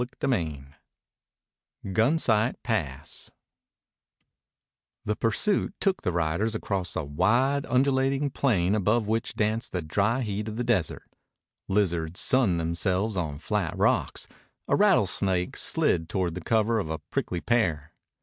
CHAPTER IX GUNSIGHT PASS The pursuit took the riders across a wide, undulating plain above which danced the dry heat of the desert. Lizards sunned themselves on flat rocks. A rattlesnake slid toward the cover of a prickly pear.